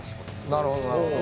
なるほどなるほど。